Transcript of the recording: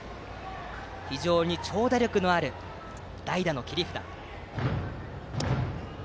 非常に長打力のある代打の切り札。